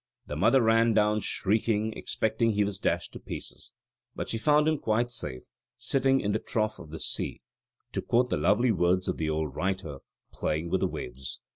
The mother ran down shrieking expecting he was dashed to pieces: but she found him quite safe "sitting in the trough of the sea" to quote the lovely words of the old writer "playing with the waves.